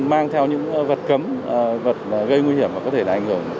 mang theo những vật cấm vật gây nguy hiểm và có thể đánh hưởng